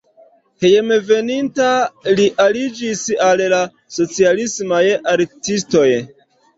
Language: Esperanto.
Hejmenveninta li aliĝis al la socialismaj artistoj.